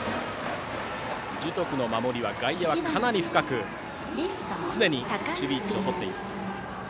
樹徳の守り、外野は常に、かなり深く守備位置をとっています。